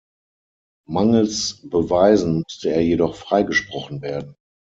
Mangels Beweisen musste er jedoch freigesprochen werden.